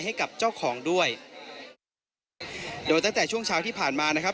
ให้กับเจ้าของด้วยโดยตั้งแต่ช่วงเช้าที่ผ่านมานะครับ